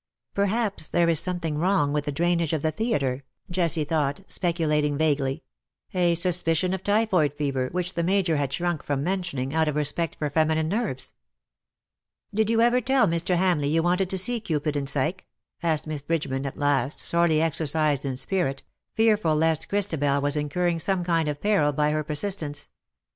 ^^ Perhaps there is something wrong with the drainage of the theatre/^ Jessie thought, speculating vaguely — a suspicion of typhoid fever, which the Major had shrunk from mentioning, out of respect for feminine nerves. '^ Did you ever tell Mr. Hamleigh you wanted to see ' Cupid and Psyche ^?'^ asked Miss Bridgeman at last, sorely exercised in spirit — fearful lest Chris tabel was incurring some kind of peril by her persistence.